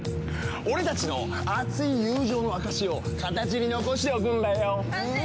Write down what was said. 俺たちの熱い友情の証しを形に残しておくんだよん。